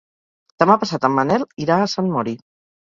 Demà passat en Manel irà a Sant Mori.